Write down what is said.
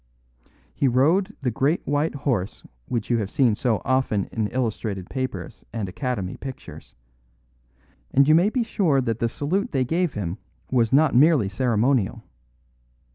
He rode the great white horse which you have seen so often in illustrated papers and Academy pictures; and you may be sure that the salute they gave him was not merely ceremonial.